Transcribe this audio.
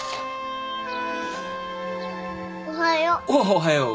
おはよう。